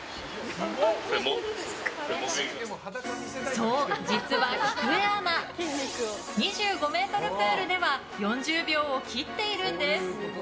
そう、実はきくえアナ２５ｍプールでは４０秒を切っているんです。